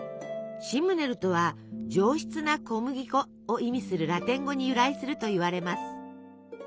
シムネルとは「上質な小麦粉」を意味するラテン語に由来するといわれます。